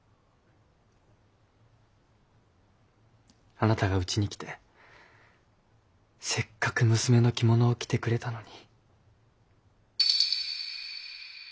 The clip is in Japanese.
あなたがうちに来てせっかく娘の着物を着てくれたのに。